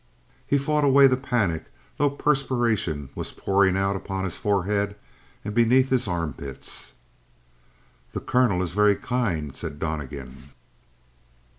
He fought away the panic, though perspiration was pouring out upon his forehead and beneath his armpits. "The colonel is very kind," said Donnegan.